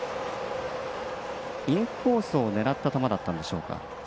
インコースを狙った球だったんでしょうか。